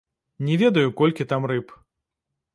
Не ведаю, колькі там рыб.